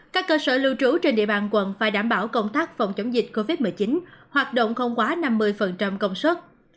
các cơ sở lưu trú trên địa bàn quận phải đảm bảo công tác phòng chống dịch covid một mươi chín hoạt động không quá năm mươi công suất